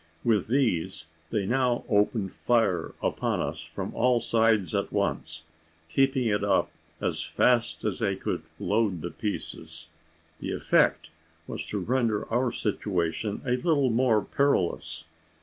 With these they now opened fire upon us from all sides at once, keeping it up as fast as they could load the pieces. The effect was to render our situation a little more perilous.